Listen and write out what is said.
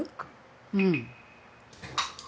うん。